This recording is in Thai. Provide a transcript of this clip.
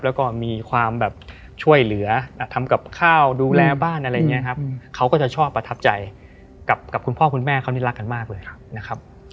แล้วก็มีความแบบช่วยเหลือทำกับข้าวดูแลบ้านอะไรอย่างนี้ครับเขาก็จะชอบประทับใจกับคุณพ่อคุณแม่เขานี่รักกันมากเลยนะครับ